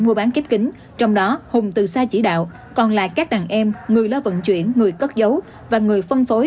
mua bán kép kính trong đó hùng từ xa chỉ đạo còn lại các đàn em người lo vận chuyển người cất dấu và người phân phối